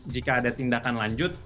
jika ada tindakan lanjut